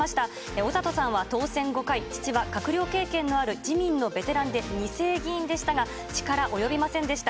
小里さんは当選５回、父は閣僚経験のある自民の２世議員でしたが、及ばずでした。